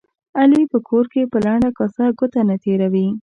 علي په کور کې په لنده کاسه ګوته نه تېروي.